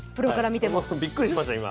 びっくりしましたね、今。